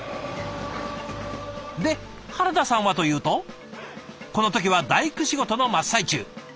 で原田さんはというとこの時は大工仕事の真っ最中。